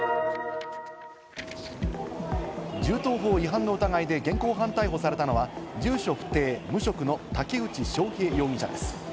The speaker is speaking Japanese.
銃刀法違反の疑いで現行犯逮捕されたのは住所不定・無職の竹内翔平容疑者です。